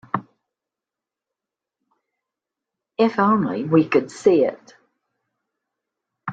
If only we could see it.